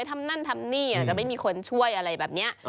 ทำนั่นทำนี่อาจจะไม่มีคนช่วยอะไรแบบนี้